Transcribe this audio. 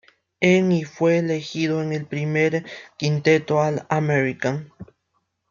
En y fue elegido en el primer quinteto All-American.